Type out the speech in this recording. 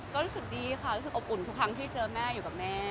ก็รู้สึกดีค่ะรู้สึกอบอุ่นทุกครั้งที่เจอแม่อยู่กับแม่